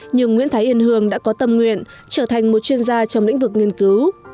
nhưng nguyễn thái yên hương đã có tâm nguyện trở thành một chuyên gia trong lĩnh vực nghiên cứu